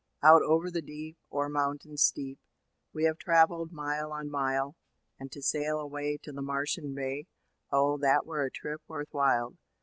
Out over the deep—o'er mountain steep, We have travelled mile on mile; And to sail away to the Martian Bay, Oh! that were a trip worth while.